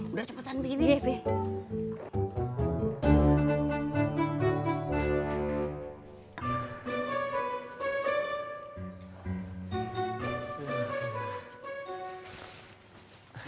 udah cepetan begini